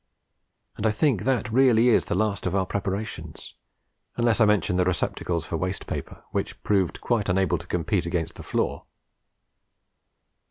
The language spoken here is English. And I think that really is the last of our preparations, unless I mention the receptacles for waste paper, which proved quite unable to compete against the floor.